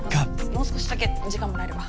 もう少しだけ時間もらえれば。